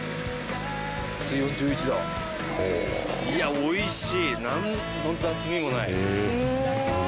いやおいしい。